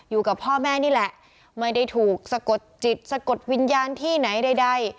อยู่กับพ่อแม่นี่แหละไม่ได้ถูกสะกดจิตสะกดวิญญาณที่ไหนใด